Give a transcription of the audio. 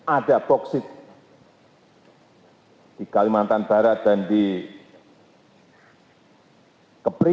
ada boksit di kalimantan barat dan di kepri